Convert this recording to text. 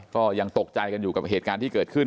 ก็ยังตกใจกันอยู่กับเหตุการณ์ที่เกิดขึ้น